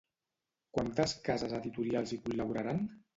Quantes cases editorials hi col·laboraran?